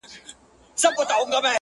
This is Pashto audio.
څه به کړو چي دا دریاب راته ساحل شي٫